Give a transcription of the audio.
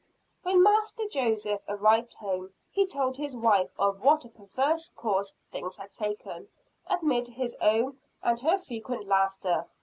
When Master Joseph arrived home, he told his wife of what a perverse course things had taken, amid his own and her frequent laughter.